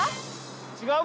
違う？